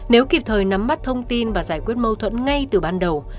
nếu kịp thời nắm mắt thông tin và giải quyết mâu thuẫn ngay từ ban đầu